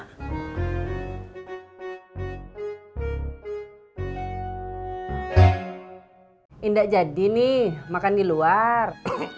tidak jadi nih makan di luar